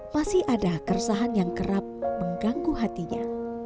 masih ada keresahan yang kerap mengganggu hatinya